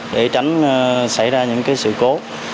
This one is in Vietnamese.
để tránh xảy ra những sự cố